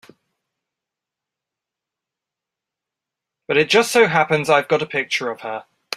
But it just so happens I've got a picture of her.